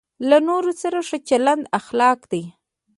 له نورو سره ښه چلند اخلاق دی.